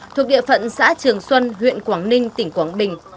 thuộc địa phận xã trường xuân huyện quảng ninh tỉnh quảng bình